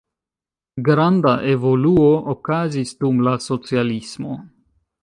Granda evoluo okazis dum la socialismo.